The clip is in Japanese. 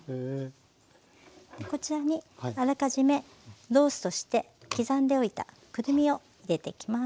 こちらにあらかじめローストして刻んでおいたくるみを入れていきます。